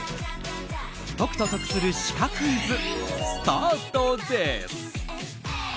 解くと得するシカクイズスタートです。